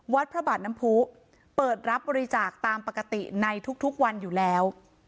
พระบาทน้ำผู้เปิดรับบริจาคตามปกติในทุกวันอยู่แล้ว